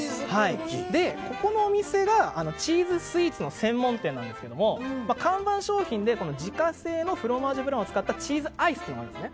ここのお店がチーズスイーツの専門店何ですけど看板商品で自家製のフロマージュブランを使ったチーズアイスというのがあるんです。